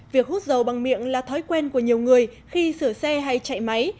việc hút dầu bằng miệng là thói quen của nhiều người khi sửa xe hay chạy máy